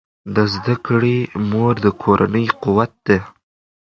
د زده کړې مور د کورنۍ قوت ده.